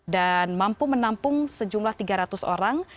dan mampu menampung sejumlah tiga ratus orang